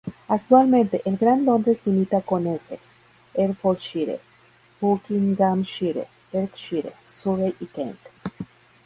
Actualmente, el Gran Londres limita con Essex, Hertfordshire, Buckinghamshire, Berkshire, Surrey y Kent.